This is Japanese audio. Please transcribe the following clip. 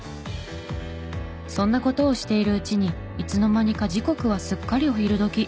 そんな事をしているうちにいつの間にか時刻はすっかりお昼時。